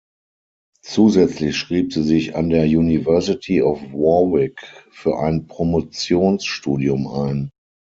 Zusätzlich schrieb sie sich an der University of Warwick für ein Promotionsstudium ein.